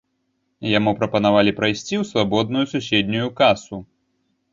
Яму прапанавалі прайсці ў свабодную суседнюю касу.